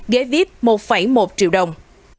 ghế vip một một triệu đồng